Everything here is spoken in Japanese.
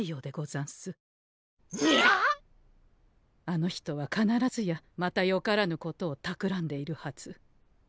あの人は必ずやまたよからぬことをたくらんでいるはず。